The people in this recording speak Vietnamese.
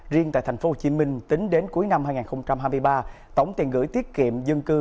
riêng tại tp hcm tính đến cuối năm hai nghìn hai mươi ba tổng tiền gửi tiết kiệm dân cư